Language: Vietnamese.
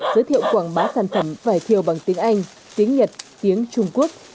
giới thiệu quảng bá sản phẩm vài thiếu bằng tiếng anh tiếng nhật tiếng trung quốc